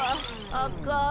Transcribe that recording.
あかん。